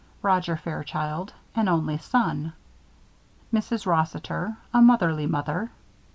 ROGER FAIRCHILD: An Only Son. MRS. ROSSITER: A Motherly Mother.